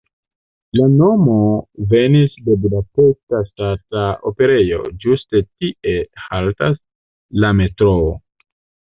La nomo venis de Budapeŝta Ŝtata Operejo, ĝuste tie haltas la metroo.